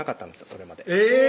それまでえぇ！